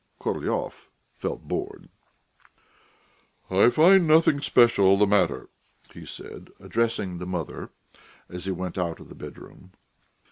Korolyov felt bored. "I find nothing special the matter," he said, addressing the mother as he went out of the bedroom.